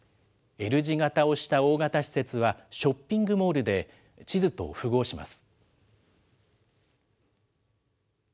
Ｌ字形をした大型施設はショッピングモールで、地図と符合します。